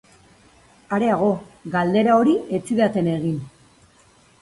Areago, galdera hori ez zidaten egin.